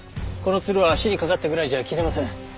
このつるは足に掛かったぐらいじゃ切れません。